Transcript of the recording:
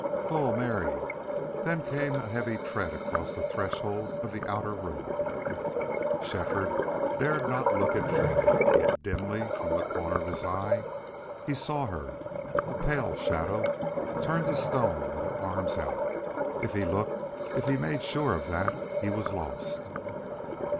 "Ho Mary!" Then came a heavy tread across the threshold of the outer room. Shefford dared not look at Fay. Yet, dimly, from the corner of his eye, he saw her, a pale shadow, turned to stone, with her arms out. If he looked, if he made sure of that, he was lost.